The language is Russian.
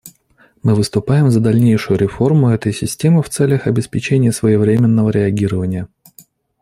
Мы выступаем за дальнейшую реформу этой системы в целях обеспечения своевременного реагирования.